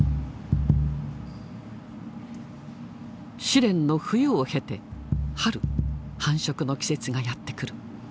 試練の冬を経て春繁殖の季節がやってくる。